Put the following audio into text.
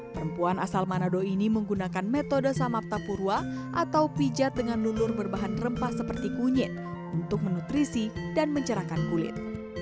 perempuan asal manado ini menggunakan metode samapta purwa atau pijat dengan lulur berbahan rempah seperti kunyit untuk menutrisi dan mencerahkan kulit